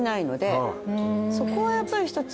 そこはやっぱり一つ。